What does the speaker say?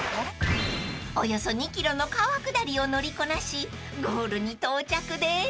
［およそ２ｋｍの川下りを乗りこなしゴールに到着です］